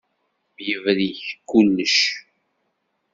Yebrik kullec.